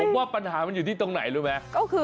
ผมว่าปัญหามันอยู่ที่ตรงไหนรู้ไหม